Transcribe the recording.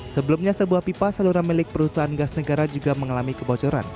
sebelumnya sebuah pipa saluran milik perusahaan gas negara juga mengalami kebocoran